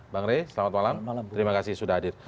bang rey selamat malam terima kasih sudah hadir